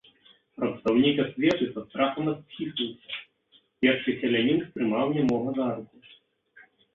Прадстаўнік асветы са страхам адхіснуўся, першы селянін стрымаў нямога за руку.